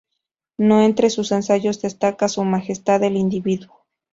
No Entre sus ensayos destaca "Su majestad, el individuo".